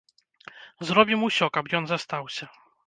Зробім усё, каб ён застаўся.